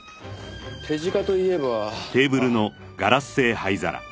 手近といえばあっ。